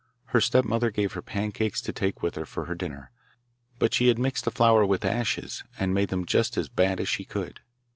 Her stepmother gave her pancakes to take with her for her dinner, but she had mixed the flour with ashes, and made them just as bad as she could.